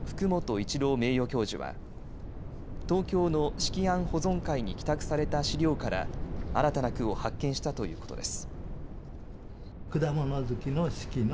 一郎名誉教授は東京の子規庵保存会に寄託された資料から新たな句を発見したということです。